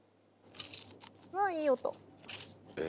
わあいい音。